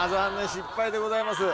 失敗でございます。